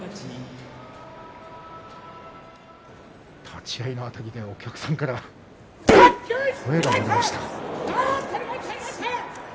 立ち合いのあたりでお客さんから声が漏れました。